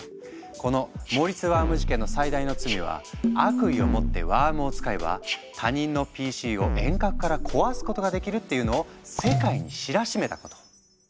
このモリスワーム事件の最大の罪は悪意を持ってワームを使えば他人のＰＣを遠隔から壊すことができるっていうのを世界に知らしめたこと。